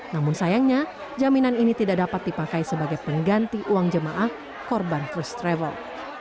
namun sayangnya jaminan ini tidak dapat dipakai sebagai pengganti uang jemaah korban first travel